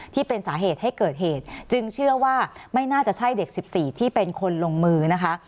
ที่เป็นสาเหตุให้เกิดเหตุจึงเชื่อว่าไม่น่าจะใช่เด็ก๑๔ที่เป็นคนลงมือนะคะ